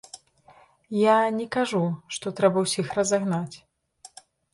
Я не кажу, што трэба ўсіх разагнаць.